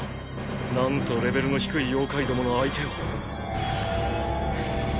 なんとレベルの低い妖怪どもの相手を